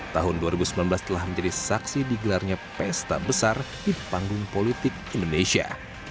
tahun dua ribu sembilan belas telah menjadi saksi digelarnya pesta besar di panggung politik indonesia